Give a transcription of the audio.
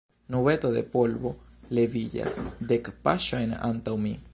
Nubeto de polvo leviĝas, dek paŝojn antaŭ mi.